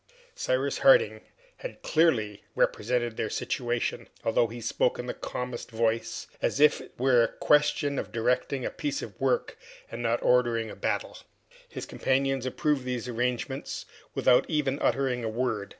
Cyrus Harding had clearly represented their situation, although he spoke in the calmest voice, as if it was a question of directing a piece of work and not ordering a battle. His companions approved these arrangements without even uttering a word.